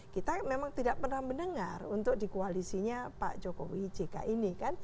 kita memang tidak pernah mendengar untuk di koalisinya pak jokowi jk ini kan